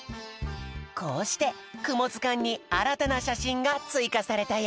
こうしてくもずかんにあらたなしゃしんがついかされたよ。